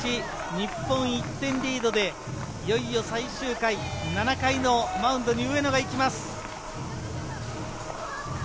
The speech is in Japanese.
日本が１点リードでいよいよ最終回、７回のマウンドに上野が行きます。